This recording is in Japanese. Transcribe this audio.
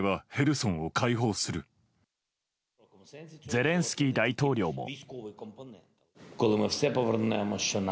ゼレンスキー大統領も。